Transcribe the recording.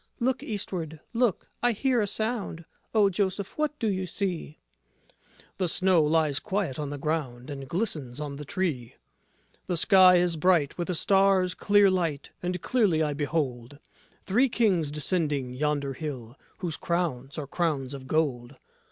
Look Eastward, look! I hear a sound. O Joseph, what do you see? JOSEPH The snow lies quiet on the ground And glistens on the tree; The sky is bright with a star's great light, And clearly I behold Three Kings descending yonder hill, Whose crowns are crowns of gold.